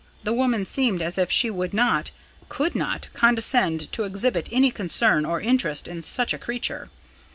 The woman seemed as if she would not could not condescend to exhibit any concern or interest in such a creature.